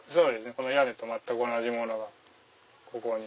この屋根と全く同じものがここに。